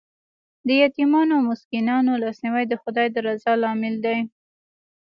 د یتیمانو او مسکینانو لاسنیوی د خدای د رضا لامل دی.